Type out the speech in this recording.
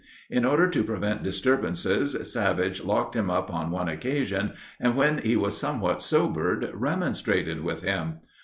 In order to prevent disturbances Savage locked him up on one occasion and when he was somewhat sobered remonstrated with him.